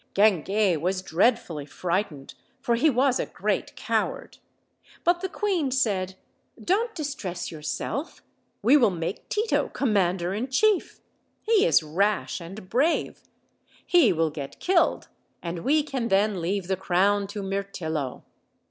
Guinguet was dreadfully frightened, for he was a great coward; but the queen said: "Don't distress yourself. We will make Tito commauder in chief. He is rash and brave. He will get killed, and we can then leave the crown to Mirtillo."